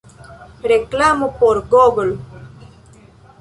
Reklamo por Google.